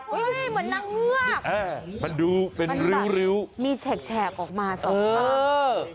เหมือนนางเงือกมันดูเป็นริ้วริ้วมีแฉกแฉกออกมาสองข้างเออ